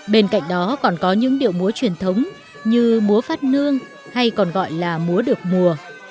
bên cạnh đó còn có những điệu múa truyền thống như múa phát nương hay còn gọi là múa được mùa